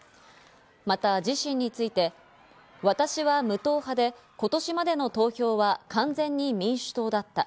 また自身について、私は無党派で今年までの投票は完全に民主党だった。